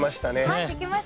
はい出来ました。